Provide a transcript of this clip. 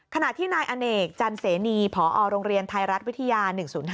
ขณะที่นายอเนกจันเสนีพอโรงเรียนไทยรัฐวิทยา๑๐๕